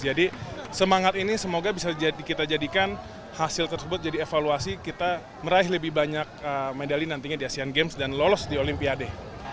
jadi semangat ini semoga bisa kita jadikan hasil tersebut jadi evaluasi kita meraih lebih banyak medali nantinya di asean games dan lolos di olimpiade